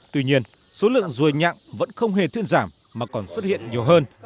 tuy nhiên số lượng rùi nhã vẫn không hề thiên giảm mà còn xuất hiện nhiều hơn